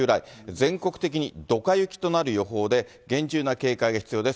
全国的にどか雪となる予報で、厳重な警戒が必要です。